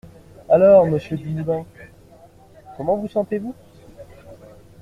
Alors Monsieur Dumoulin, comment vous sentez-vous?